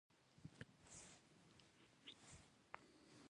د غرونو لمنې د اوبو د زیرمو لپاره مهمې دي.